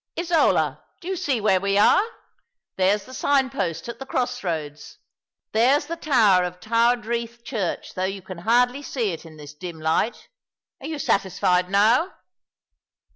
" Isola, do yon see where we are ? There's the sign post at the cross roads. There's the tower of Tywardreath Church, though you can hardly see it in this dim light. Are you satisfied now